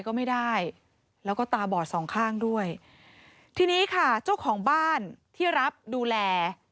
ก็ไม่ได้แล้วก็ตาบอดสองข้างด้วยทีนี้ค่ะเจ้าของบ้านที่รับดูแล